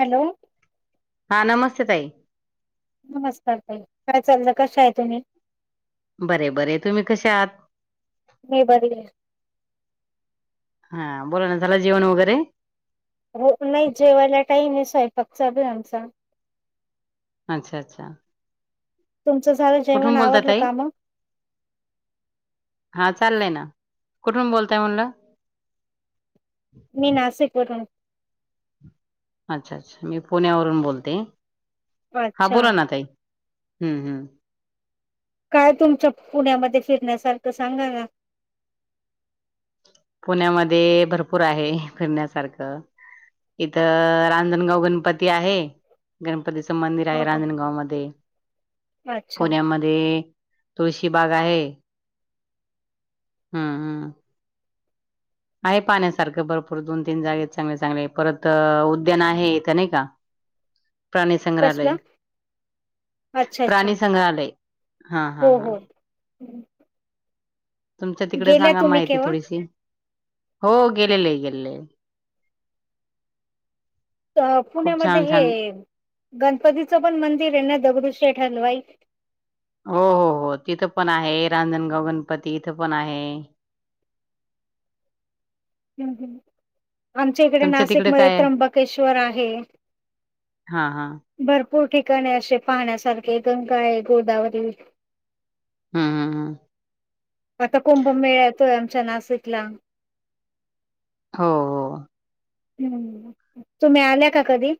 Hello? हा नमस्ते ताई. नमस्कार तई काय चालयं कशे आहेत तुम्ही. बरे बर तुम्ही कसे आहात? मी बरी. हा बोला ना झाल जेवण वगैरे.? हो नाही जेवायला टाईम आहे स्वयंपाक [unintelligible] आमचा अच्छा अच्छा. तुमचं झालं जेवण कुठून बोलताय आवरलं ताई का मग? हा चाललंय ना कुठून बोलताय मनल? मी नाशिक वरुन. अच्छा अच्छा मी पुण्यावरून बोलते. हा अच्छा बोला ना ताई. हम्म हम्म. काय तुमच्या पुण्यामध्ये फिरण्यासारखं सांगा ना? पुण्यामध्ये भरपूर आहे फिरण्यासारखं,. इथ रांजणगाव गणपती आहे गणपती.. [unintelligible] मंदिर हा आहे हा रांजणगाव मध्ये अच्छा पुण्यामध्ये? तुळशी बाग आहे हम्म हम्म आहे पाण्यासारखं भरपूर दोन तीन जागेत चांगले चांगले परत उद्यान आहे इथं नाही का प्राणी संग्रहालय कसलं? अच्छा अच्छा प्राणी संंग्रहालय हा हा हो हा हो. हम्म. तुमच्या तिकडे गेल्या सांगा तुम्ही माहिती केव्हा? थोडीशी हो गेलेले गेलेले खूप पुण्यामध्ये छान छान हे गणपतीचं पण मंदिर आहे ना दगडू शेठ शेठ हलवाई हो हो हो तिथं पण आहे रांजणगाव गणपती इथं पण आहे हम्म, हम्म. आमच्या इकडे तुमच्या तिकडे नाशिकमध्ये काय आहे त्र्यंबकेश्वर आहे हा हा भरपूर भरपूर ठिकाणे असे पाहण्यासारखे गंगा आहे गोदावरी हम्म हम्म हम्म आता कुंभमेळा येतोय आमच्या नाशिकला हो हो ह् तुम्ही आल्या का कधी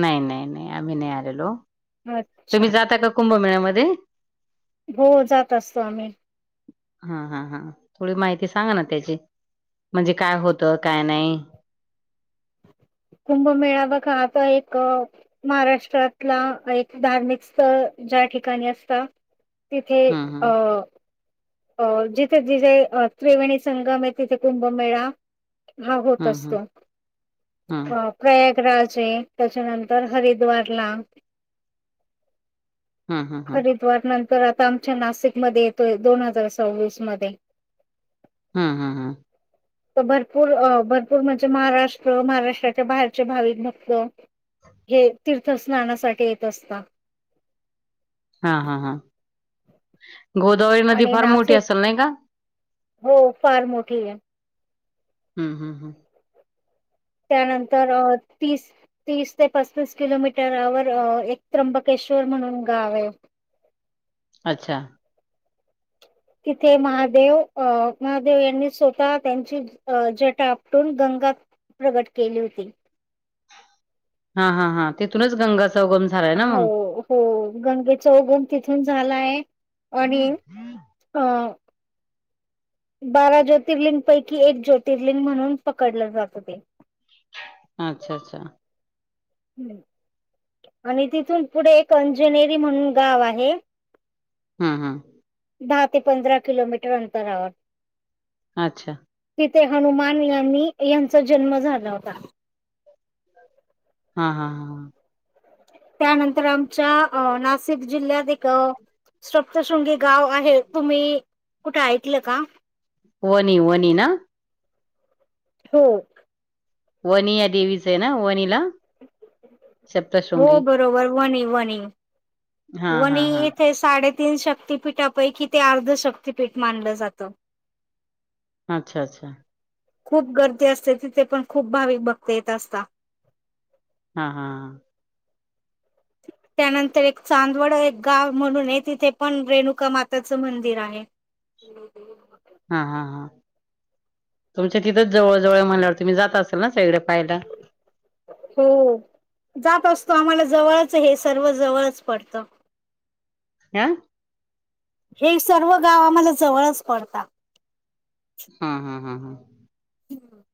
नाही नाही नाही आम्ही नाही आलेलो अच्छा. तुम्ही जाता का कुंभमेळ्यामध्ये मध्ये हो जात असतो आम्ही हा हा हा थोडी माहिती सांगा ना त्याची म्हणजे काय होतं काय नाही कुंभमेळा बघा आता एक महाराष्ट्रातला एक धार्मिक स्थळ ज्या ठिकाणी असता तिथे हम्म अ हम्म अ जिथे जिथे त्रिवेणी संगम आहे तिथे कुंभमेळा हा होत हम्म असतो हम्म प्रयाग राजे [unintelligible] त्याच्यानंतर हरिद्वारला हम्म हम्म हम्म हरिद्वार नंतर तर आता आमच्या नाशिकमध्ये येतोय दोन हजार हजार सव्वीस मध्ये हम्म हम्म हम्म तर भरपूर भरपूर म्हणजे महाराष्ट्र महाराष्ट्राच्या बाहेरचे भाविक भक्त हे तीर्थ स्नानासाठी येत असता हा हा हा ह [unintelligible] आणि नाशिक हो फार मोठी आहे हम्म हम्म हम्म त्यानंतर तीस तीस ते पस्तीस किलोमीटरवर एक त्र्यंबकेश्वर म्हणून गाव आहे अच्छा तिथे महादेव अं महादेव यांनी स्वतः त्यांची जटा आपटून गंगा प्रगट केली होती हा हा हा तिथूनच गंगा संगम झालाय ना हो मग हो गंगेचा उगम तिथून झालाय आणि अ बारा ज्योतिर्लिंगपैकी एक ज्योतिर्लिंग म्हणून पकडले जात होते अच्छा अच्छा आणि तिथून पुढे एक अंजनेरी म्हणून गाव आहे हम्म हम्म दहा ते पंधरा किलोमीटर अंतरावर अच्छा हनुमान यांनी यांचा जन्म झाला होता हा हा हा ह त्यानंतर आमच्या नाशिक जिल्ह्यात एक सप्तशृंगी गाव आहे तुम्ही कुठे ऐकलं का वनी वनी ना हो वनी या देवीच आहे ना वनीला शप्त हो शृंगी बरोबर वणी वणी हा वणी हा इथे साडे तीन शक्तिपीठापैकी ते अर्ध शक्तिपीठ मानलं जातं अच्छा अच्छा खूप गर्दी असते तिथे पण खूप भाविक बघता येत असता हा हा त्यानंतर एक चांदवड एक गाव म्हणून आहे तिथे पण रेणुका माताच मंदिर आहे हा हा हा तुमच्या तिथंच जवळ जवळ म्हणल्यावर तुम्ही जाता असेल ना सगळ्या हो जात असतो आम्हाला जवळ हे सर्व जवळच पडत आ हे सर्व गाव आम्हाला जवळच पडतात हा हा हा हा हम्म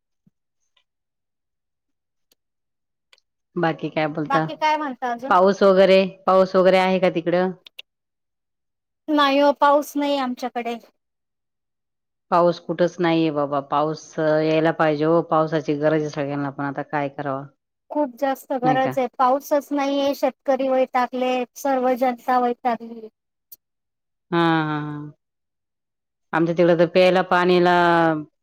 बाकी काय बोलता बाकी काय म्हणता अजून? पाऊस वगैरे पाऊस वगैरे आहे का त नाही हो पाऊस नाही आमच्या कडे पाऊस कुठंच नाहीये बाबा पाऊस यायला पाहिजे पावसाची गरज आहे सगळ्यांना पण आता काय कराव खूप जास्त गरच आहे पाऊसच नाहीये शेतकरी वय टाकले सर्व जनतावय लागले हा हा ह आमच्या तिकड तर प्यायला पाणीला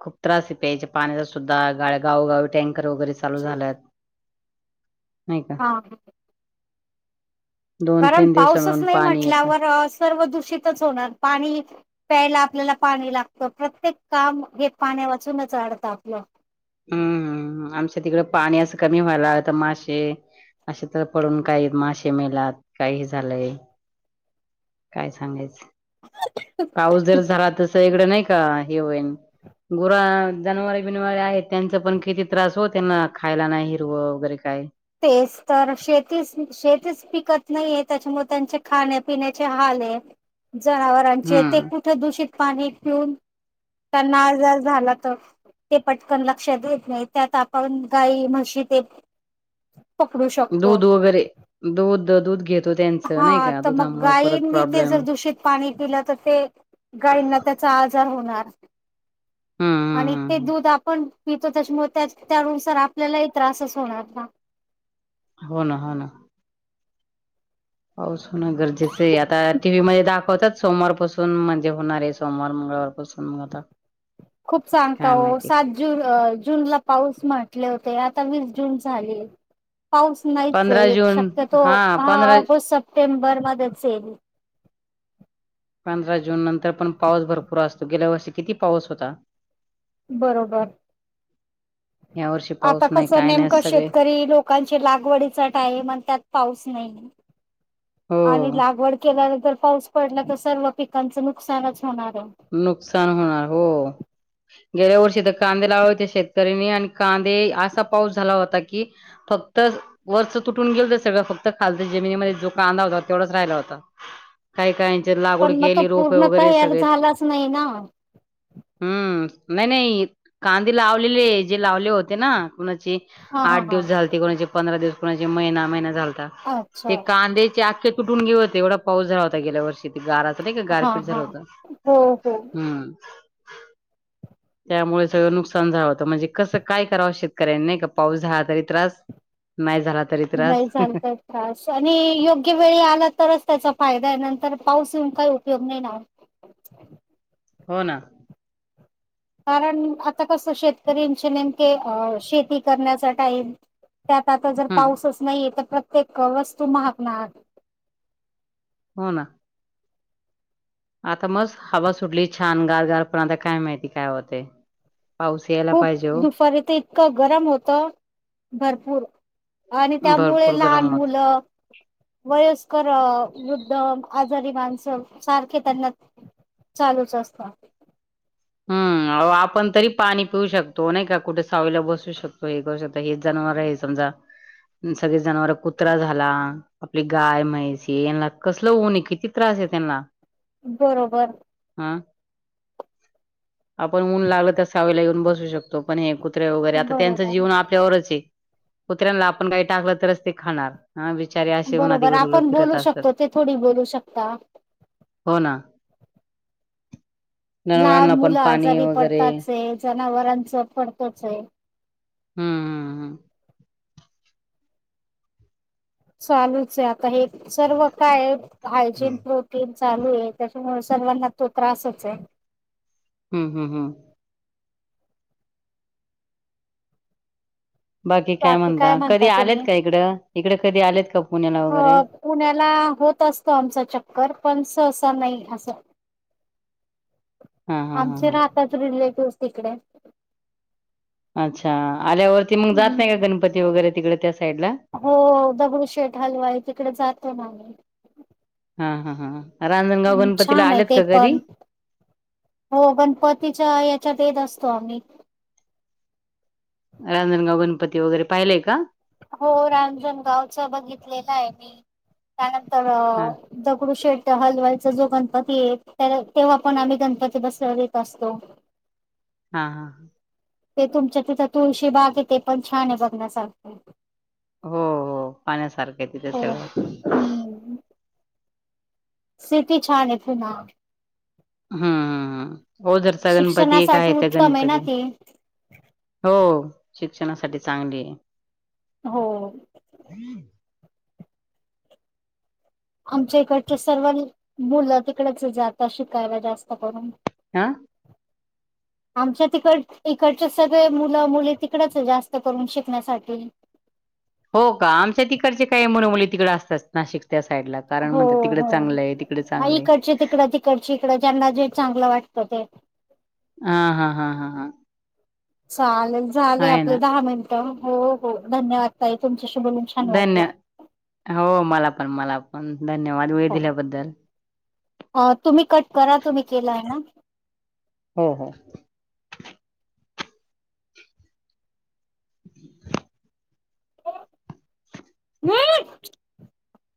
खूप त्रास प्यायचे पाण्याचा सुद्धा गाळ गावगावी टँक वैरे चालू झाल्या हा. दोन कारण तीन दिवसा पाऊसच मिळून नाही पाणी येतं म्हटल्यावर सर्व दूषितच होणार पाणी प्यायला आपल्याला पाणी लागत प्रत्येक काम हे पाण्या वाचूनच अढत आपलं. हम्म हम्म आमच्या तिकड पाणी असं कमी व्हायला लागलं तर मासे असे तर पडून काही मासे मेलात काही हे झालंय काय सांगायचं? पाऊस जर झाला तस इकडं नाही का हे होईन गुर जनावरे बिनवारे आहेत त्यांचा पण किती त्रास हो त्यांना खायला नाही हिरवं वगैरे काय तेच तर शेतीच शेतीच पिकत नाहीे त्याच्यामुळे त्यांचे खाण्यापिण्याचे हाल ये. जनावरांचे ते हम्म कुठे दूषित पाणी पिऊन त्यांना आजार झाला तर ते पटकन लक्षात देत नाही त्यात आपण गाई म्हशी ते पकडू शकतो. दूध वगैरे दूध तो दूध घेत. हा तर मग गायींनी ते प्रॉब्लेम जर दूषित पाणी पिलं तर ते गायींना त्याचा आजार होणार. हम्म हम्म आणि ते हम्म हम्म. दूध आपण पितो त्याच्यामुळे त्यानुसार आपल्यालाही त्रासच होणार ना. हो ना हो ना. पाऊस होणं गरजेचं आहे आता टीव्ही मध्ये दाखवतात सोमवारपासून म्हणजे होणार आहे सोमवार मंगळवारपासून मग आता खूप सांगता काय हो माहिती सात ज जूनला पाऊस म्हटले होते आ सत्तावीस जून झाले. पाऊस नाहीच पंधरा आहे जून शक्यतो हा पंधरा ऑगस्ट सप्टेंबर मध्येच येईल. पंधरा जून नंतर पण पाऊस भरपूर असतो गेल्या वर्षी किती पाऊस होता. बरोबर या वर्षी आता पाऊस नाही कस काय नाही नेमकं सगळे शेतकरी लोकांची लागवडी चा टाइम अन त्यात पाऊस नाही. हो आणि लागवड केल्यानंतर पाऊस पडला तर सर्व पिकांचं नुकसानच होणार आहे. नुकसान होणार हो. गेल्या वर्षी तर कांदे लावा होते शेतकऱ्यांनी आणि कांदे असा पाऊस झाला होता की फक्त वरच तुटून गेल त सगळं फक्त खालतं जमिनीमध्ये जो कांदा होता तेवढाच राहिला होता काही काय पण मग तो पूर्णतयार झालाच नही ना. हम्म नाही नाही कांदे लावलेले जे लावले होते ना कोणाची हा हा आठ हा. दिवस झाल ते कोणाची पंधरा दिवस कोणाचे महिना महिना झाल ता ते अच्छा कांधेचे आक ते तुटून गेले होते एवढा पाऊ झाला होता गेल्या वर्षी ते गारा ते नही का हा गारपीट झालं हा होत. हो हो. त्यामुळे सगळं नुकसान झा म्हणजे कसं काय कराव शेत कारण नाही का पाऊस झाला तरी त्रास, नाही झा नाही चालतय त्रास आणि योग्य वेळी आला तरच त्याचा फायदा आहे नंतर पाऊस येऊन काही उपयोग नाही ना ओ. हो ना. कारण आता कसं शेतकरींचे नेमके अ शेती करण्याचा टाईम त्यात आता जर हम्म पाऊसच नाही य त [unintelligible] वस्तू महाग महाग हो ना. आता मस्त हवा सुटली छान गारगार, पण आता काय माहिती काय होतय? पाऊस यायला खूप पाहिजे हो दुफारी त इतकं गरम होतं. भरपूर आणि त्यामुळे भरपूर लहान गरम होत. मुलं, वयस्कर अ वृद्ध जरी माणस सारखे त्यांना चालूच असत. हम्म्म आहो आपण तरी पाणी पिऊ शकतो, नाही का कुठे सावलीला बसू शकतो हे करू शकतो हे जनावर य समजा, सगळे जनावर कुत्रा झाला आपली गाय म्हैसे यांना कसल ऊन य किती त्रास आहे त्यांना. बरोबर. अ. आपण ऊन लागल त सावेला येऊन बस बसू शकतो पण हे कु कुत्रे वगैरे आता त्याचं बरोबर, जीवन आपल्यावरच है. कुत्र्यांला आपण काही टाकलं तरच ते खाणार. हा बिचारे असे उन्हात बरोबर इकडून तिकडं आपण फिरत बोलू असतात शकतो ते थोडी बोलू शकता. हो ना लहान [unintelligible] मुलं आजारी वगैरे पडताच य, जनावरांच पडतच य हम्म हं. चालूच य हे सर्व काय हायजीन प्रोटीन चालू य त्याच्यामुळ सर्वांना तो त्रासच य हम्म हम्म. बाकी काय कधी म्हणता आलेत तुम्ही? का इकडं इकडे कधी आलेत का पुण्याला वगैरे अ पुण्याला होत असतो आमचा चक्कर पण सहसा नाही अस [unintelligible] हा हा हा आमचे हा राहतात रिलेटिव्हज. तिकडे अच्छा. आल्यावरती मग जात नाही का हमम गणपती वगैरे तिकडे त्या साईडला हो दगडू शेठ हलवाय तिकडे जातो ना आम्ही, हा हा हा. रांजणगाव ह् गणपतीला छान आहे आलेत ते का कधी पण हो गणपतीच्या याच्यात येत असत. स्वामी. रांजनगाव गणपती वगैरे पाहिलंय का? हो रांजणगावच बघितलेलं आहे मी कारण, तर हा दगडू शेट हलवाय. जो गणपती आहे तेव्हा पण आम्ही गणपती बस येत असतो, हा हा हा. ते तुमच्या तिथं तुळशी बाग आहे ते पण छान आहे बघण्या सारखं. हो हो पाण्यासारखं आहे तिथे हो सगळं. हम्म सिटी छान आहे पुन्हा. हा हा हा, ओ जरचा गणपती एक शिक्षणासाठी आहे त्या उत्तम आहे ना गणपती, ती हो शिक्षणासाठी चांगली आहे. हो, आमच्या इकडच्या सर्व मुलं तिकडेच जाता शिकायला जास्त करून, हा. आमच्या तिकड इकडच्या सगळे मुलं मुली तिकडच आहे जास्त करून शिकण्यासाठी, हो का आमच्या तिकडचे काय मुण मुली तिकड असतात नाशिक, त्या साईडला कारण हो म्हणतात तिकडे हो चांगलं आहे तिकडे आ चांगलं आहे इकडचे तिकडं तिकडचे इकड ज्यांना जे चांगलं वाटत. त ते. हा हा हा हा हा, चालेल. झालं आहे ना आपलं दहा मिनिटं, हो हो धन्यवाद ताई तुमचं, धन्य हो मला पण मला पण धन्यवाद वेळ हो दिल्याबद्दल. केला आहे ना? हो हो. [unintelligible] [unintelligible]